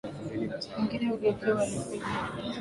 mwingine hugeukia uhalifu ili kuendeleza tabia zao